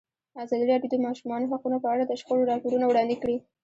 ازادي راډیو د د ماشومانو حقونه په اړه د شخړو راپورونه وړاندې کړي.